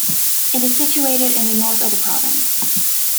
It is situated in the north of the province.